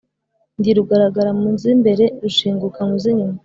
Ndi Rugaragara mu z’imbere, rushinguka mu z’inyuma,